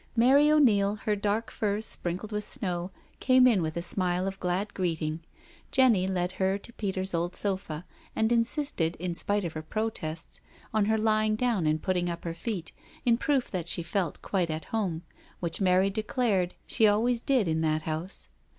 Mary O'Neil, her dark furs sprinkled with snow, came in with a smile of glad greeting. Jenny led her to Peter's old sofa, and insisted, in spite of her protests, on her lying down and putting up her feet, in proof that she felt quite at home^ which Mary declared she always did in that house.